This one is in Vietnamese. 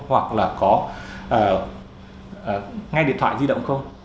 hoặc là có nghe điện thoại di động không